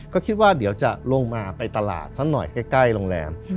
ก็คิดว่าเดี๋ยวจะลงมาไปตลาดสักหน่อยใกล้โรงแรม